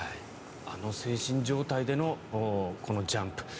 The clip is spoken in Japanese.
あの精神状態でのこのジャンプ。